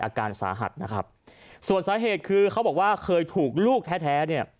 อาการสาหัสนะครับส่วนสาเหตุคือเขาบอกว่าเคยถูกลูกแท้แท้เนี่ย